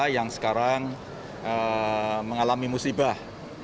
yang sekarang mengalami musibah